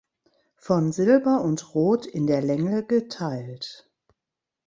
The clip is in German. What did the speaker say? Von Silber und Rot in der Länge geteilt.